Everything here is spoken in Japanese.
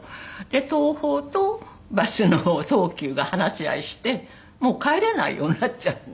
東宝とバスの東急が話し合いしてもう帰れないようになっちゃって。